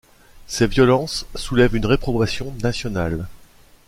Ces violences soulèvent une réprobation nationale.